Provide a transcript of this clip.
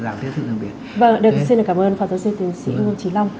vâng được xin cảm ơn phát giáo sư tuyển sĩ nguyễn trí long